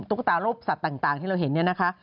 ตุ๊กตารูปสัตว์ต่างที่เราเห็นเนี่ยนะคะ